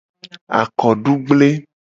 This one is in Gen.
Akodugble.